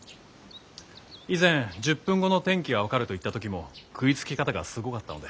以前１０分後の天気が分かると言った時も食いつき方がすごかったので。